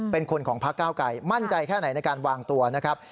เป็นคนของพักเก้าไกรมั่นใจแค่ไหนในการวางตัวนะครับ